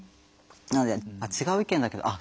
なので違う意見だけどあっ